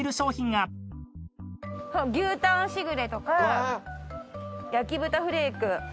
牛タンしぐれとか焼豚フレーク。